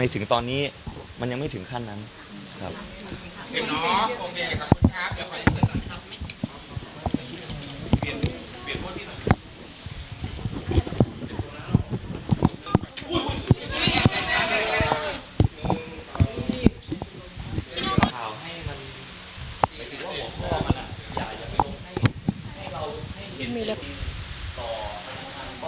ถึงตอนนี้มันยังไม่ถึงขั้นนั้นครับ